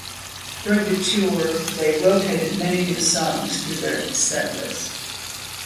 During the tour, they rotated many new songs through their setlist.